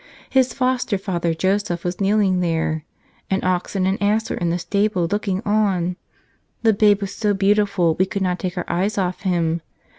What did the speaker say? His foster father, Joseph, was kneeling there. An ox and an ass were in the stable, looking on. The Babe was so beautiful we could not take our eyes off Him.